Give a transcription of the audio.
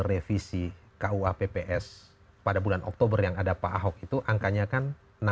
revisi kua pps pada bulan oktober yang ada pak ahok itu angkanya kan enam puluh delapan dua puluh lima